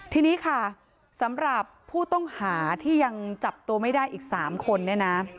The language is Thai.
ทีนี้ค่ะสำหรับผู้ต้องหาที่ยังจับตัวไม่ได้อีก๓คนเนี่ยนะ